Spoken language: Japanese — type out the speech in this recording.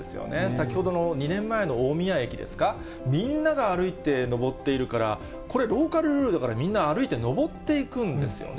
先ほどの２年前の大宮駅ですか、みんなが歩いて上っているから、これ、ローカルルールだから、みんな歩いて上っていくんですよね。